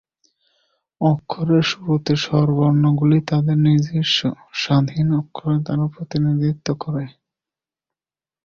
অক্ষরের শুরুতে স্বরবর্ণগুলি তাদের নিজস্ব, স্বাধীন অক্ষর দ্বারা প্রতিনিধিত্ব করে।